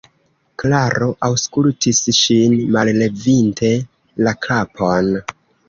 Klaro aŭskultis ŝin, mallevinte la kapon.